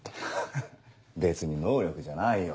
ハハ別に能力じゃないよ。